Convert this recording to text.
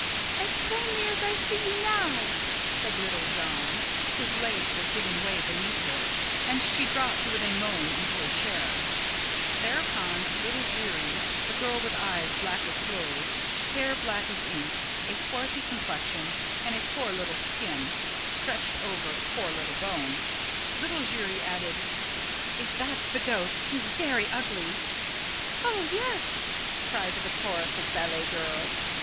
"As plainly as I see you now!" said little Jammes, whose legs were giving way beneath her, and she dropped with a moan into a chair. Thereupon little Giry the girl with eyes black as sloes, hair black as ink, a swarthy complexion and a poor little skin stretched over poor little bones little Giry added: "If that's the ghost, he's very ugly!" "Oh, yes!" cried the chorus of ballet girls.